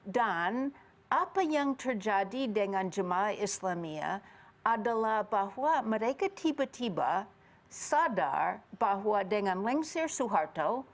dan apa yang terjadi dengan jemaah islamia adalah bahwa mereka tiba tiba sadar bahwa dengan lengsir suharta